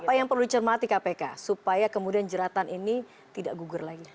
apa yang perlu dicermati kpk supaya kemudian jeratan ini tidak gugur lagi